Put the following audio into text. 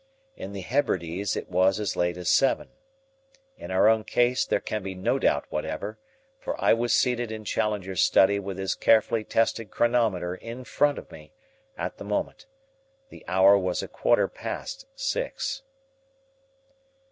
In the Hebrides it was as late as seven. In our own case there can be no doubt whatever, for I was seated in Challenger's study with his carefully tested chronometer in front of me at the moment. The hour was a quarter past six.